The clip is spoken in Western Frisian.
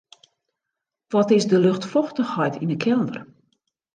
Wat is de luchtfochtichheid yn 'e kelder?